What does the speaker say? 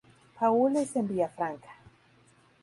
Paúles en Villafranca.